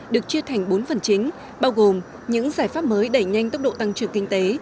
được chia thành bốn phần chính bao gồm những giải pháp mới đẩy nhanh tốc độ tăng trưởng kinh tế